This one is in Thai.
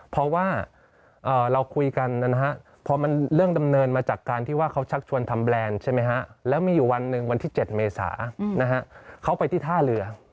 เพราะว่าเราคุยกันนะฮะพอมันเรื่องดำเนินมาจากการที่ว่าเขาชักชวนทำแบรนด์ใช่ไหมฮะแล้วมีอยู่วันหนึ่งวันที่๗เมษาเขาไปที่ท่าเรือ